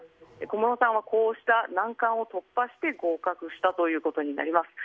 小室さんはこうした難関を突破して合格したということになります。